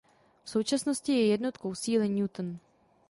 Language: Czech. V současnosti je jednotkou síly newton.